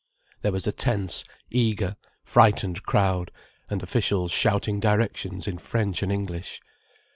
There was a tense, eager, frightened crowd, and officials shouting directions in French and English.